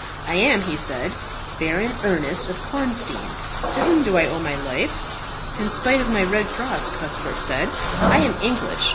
"I am," he said, "Baron Ernest of Kornstein. To whom do I owe my life?" "In spite of my red cross," Cuthbert said, "I am English.